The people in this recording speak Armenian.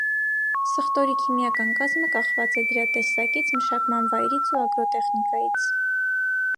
Սխտորի քիմիական կազմը կախված է դրա տեսակից, մշակման վայրից ու ագրոտեխնիկայից։